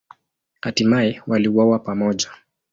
Hatimaye waliuawa pamoja.